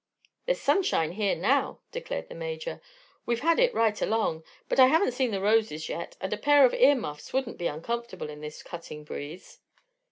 "There's sunshine here now," declared the Major. "We've had it right along. But I haven't seen the roses yet, and a pair of ear muffs wouldn't be uncomfortable in this cutting breeze."